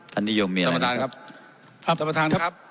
ท่านนิยมมีอะไรครับท่านประทานครับครับท่านประทานครับ